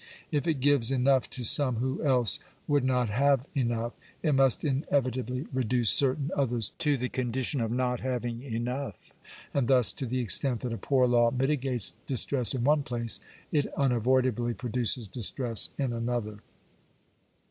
If it gives enough to some who else would not have enough, it must inevitably reduce cer tain others to the condition of not having enough. And thus, to the extent that a poor law mitigates distress in one place, it unavoidably produces distress in another.